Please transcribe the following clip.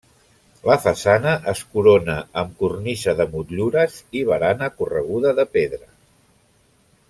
La façana es corona amb cornisa de motllures i barana correguda de pedra.